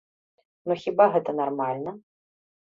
Ну, хіба гэта нармальна?